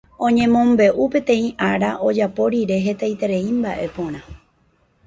Oñemombe'u peteĩ ára ojapo rire hetaiterei mba'e porã